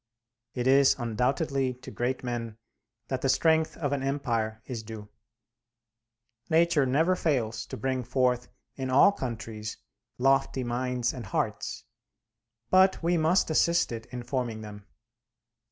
It is undoubtedly to great men that the strength of an empire is due. Nature never fails to bring forth in all countries lofty minds and hearts; but we must assist it in forming them.